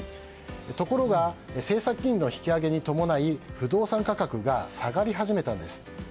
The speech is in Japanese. ところが政策金利の引き上げに伴い不動産価格が下がり始めたんです。